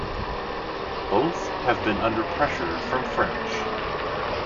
Both have been under pressure from French.